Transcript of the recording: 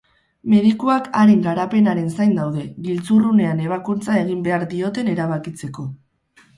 Medikuak haren garapenaren zain daude, giltzurrunean ebakuntza egin behar dioten erabakitzeko.